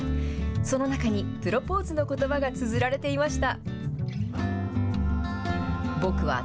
その中に、プロポーズのことばがつづられていました。